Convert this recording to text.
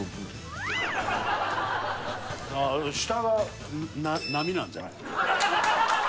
下が波なんじゃないの？